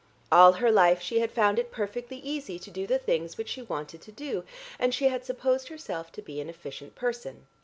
All her life she had found it perfectly easy to do the things which she wanted to do, and she had supposed herself to be an efficient person.